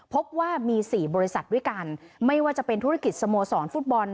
พบว่ามี๔บริษัทด้วยกันไม่ว่าจะเป็นธุรกิจสโมสรฟุตบอล